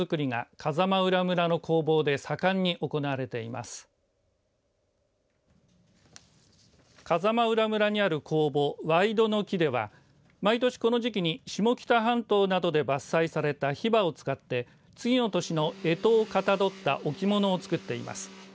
風間浦村にある工房わいどの木では毎年この時期に下北半島などで伐採されたヒバを使って次の年のえとをかたどった置物を作っています。